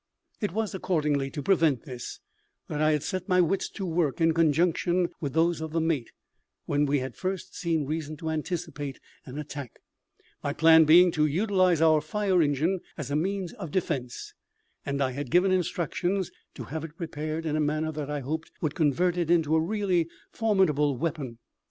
It was, accordingly, to prevent this that I had set my wits to work in conjunction with those of the mate, when we had first seen reason to anticipate an attack, my plan being to utilise our fire engine as a means of defence, and I had given instructions to have it prepared in a manner that I hoped would convert it into a really formidable weapon.